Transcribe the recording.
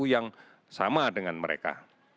yang sama dengan mereka